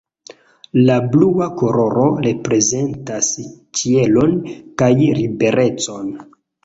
La blua koloro reprezentas ĉielon kaj liberecon.